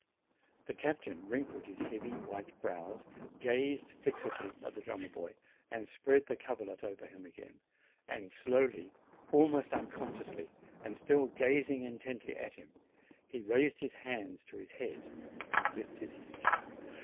The captain wrinkled his heavy, white brows, gazed fixedly at the drummer boy, and spread the coverlet over him again, and slowly, almost unconsciously, and still gazing intently at him, he raised his hand to his head, and lifted his cap.